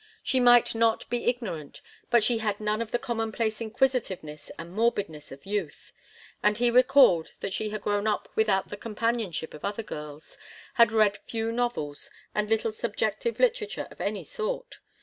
She might not be ignorant, but she had none of the commonplace inquisitiveness and morbidness of youth, and he recalled that she had grown up without the companionship of other girls, had read few novels, and little subjective literature of any sort.